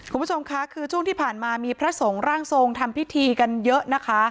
คุณผู้ชมค่ะคือช่วงที่ผ่านมามีพระสงฆ์ร่างทรงทำพิธีกันเยอะนะคะ